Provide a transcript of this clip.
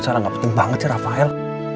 salah gak penting banget sih rafael